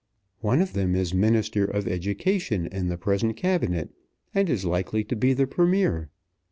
"One of them is Minister of Education in the present Cabinet, and is likely to be the Premier.